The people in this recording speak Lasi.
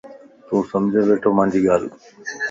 توسمجھي ٻيڻھونَ مانجي ڳالھه؟